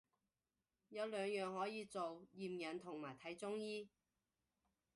有兩樣可以做，驗孕同埋睇中醫